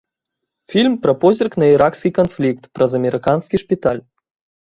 Фільм пра позірк на іракскі канфлікт праз амерыканскі шпіталь.